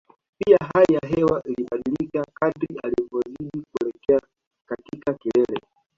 Pia hali ya hewa inabadilika kadri anavyozidi kuelekea katika kilele